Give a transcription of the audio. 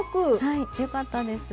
はいよかったです。